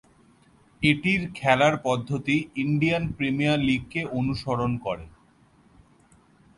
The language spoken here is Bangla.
এটির খেলার পদ্ধতি ইন্ডিয়ান প্রিমিয়ার লীগকে অনুসরণ করে।